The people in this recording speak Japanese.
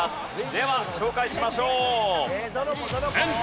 では紹介しましょう。